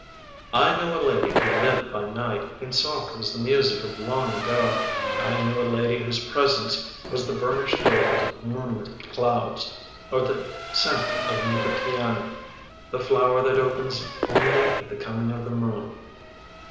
WALLACE GOULD 5S I knew a lady who lived by night — and soft was the music of long ago — I knew a lady whose presence was the burnished gold of moonlit clouds, or the scent of nicotiana — the flower that opens only at the coming of the moon.